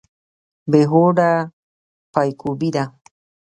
بې هوده پایکوبي ده.